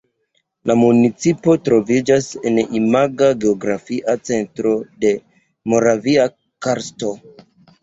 La municipo troviĝas en imaga geografia centro de Moravia karsto.